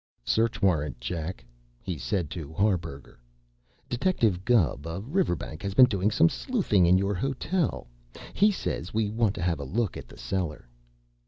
"Search warrant, Jack," he said to Harburger. "Detective Gubb, of Riverbank, has been doing some sleuthing in your hotel, he says. We want to have a look at the cellar."